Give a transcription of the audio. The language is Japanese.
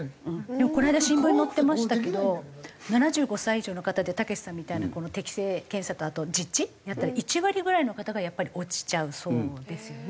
でもこの間新聞に載ってましたけど７５歳以上の方でたけしさんみたいな適性検査とあと実地やったら１割ぐらいの方がやっぱり落ちちゃうそうですよね。